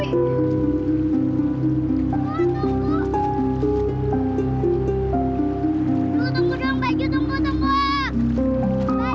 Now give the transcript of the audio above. ibu tolong pajanya wih